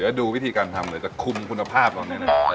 เดี๋ยวดูวิธีการทำเลยจะคุมคุณภาพตอนนี้นะ